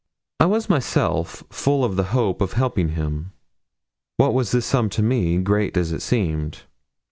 I was myself full of the hope of helping him. What was this sum to me, great as it seemed?